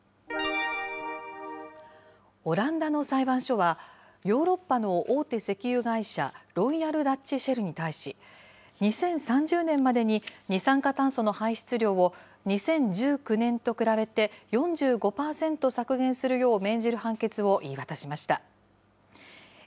オランダの裁判所は、ヨーロッパの大手石油会社ロイヤル・ダッチ・シェルに対し、２０３０年までに二酸化炭素の排出量を２０１９年と比べて４５％削減するよう命じる判決を言い渡しました。